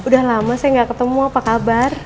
udah lama saya gak ketemu apa kabar